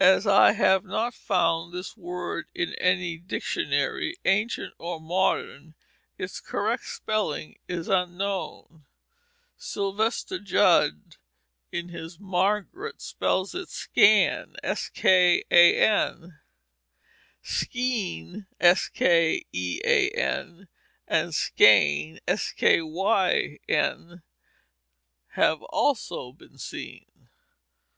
As I have not found this word in any dictionary, ancient or modern, its correct spelling is unknown. Sylvester Judd, in his Margaret, spells it skan. Skean and skayn have also been seen.